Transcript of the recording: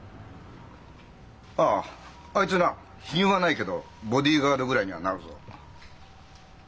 あああいつな品はないけどボディーガードぐらいにはなるぞ。